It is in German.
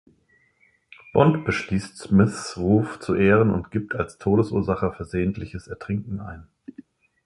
Bond beschließt, Smythes Ruf zu ehren und gibt als Todesursache versehentliches Ertrinken ein.